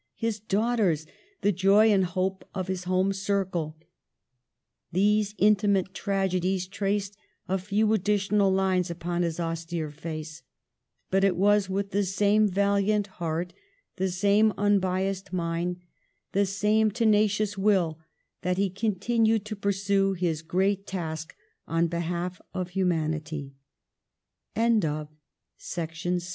His daughters! The joy and the hope of his home circle. These intimate tragedies traced a few additional lines upon his austere face, but it was with the same valiant heart, the same un biased mind, the same tenacious will that he continued to pursue his great ta